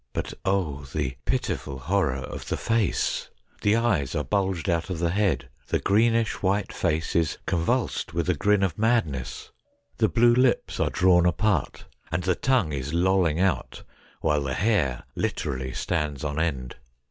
But, oh ! the pitiful horror of the face ! The eyes are bulged out of the head, the greenish white face is convulsed with a grin of madness ; the blue lips are drawn apart, and the tongue is lolling out, while the hair literally stands on end.